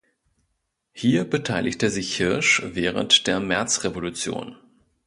Hier beteiligte sich Hirsch während der Märzrevolution.